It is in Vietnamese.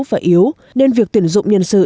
và yếu nên việc tuyển dụng nhân sự